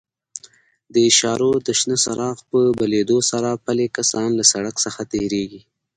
د اشارو د شنه څراغ په بلېدو سره پلي کسان له سړک څخه تېرېږي.